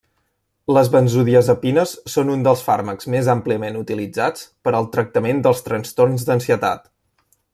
Les benzodiazepines són un dels fàrmacs més àmpliament utilitzats per al tractament dels trastorns d'ansietat.